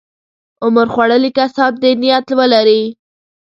عمر خوړلي کسان دې نیت ولري.